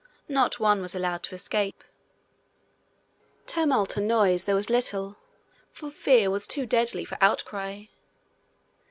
Not one was allowed to escape. Tumult and noise there was little, for fear was too deadly for outcry.